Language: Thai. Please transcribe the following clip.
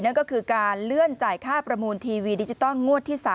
นั่นก็คือการเลื่อนจ่ายค่าประมูลทีวีดิจิตอลงวดที่๓